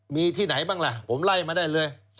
มีที่ไหนบ้างล่ะผมไล่มาได้เลย